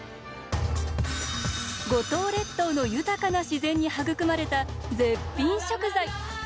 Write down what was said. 五島列島の豊かな自然に育まれた絶品食材。